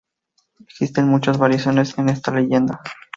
Existen muchas variaciones en esta leyenda.